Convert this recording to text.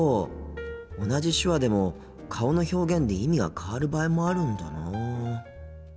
同じ手話でも顔の表現で意味が変わる場合もあるんだなあ。